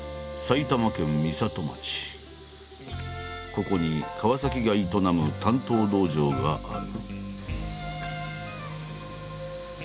ここに川が営む鍛刀道場がある。